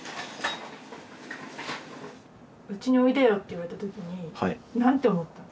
「うちにおいでよ」って言われた時に何て思った？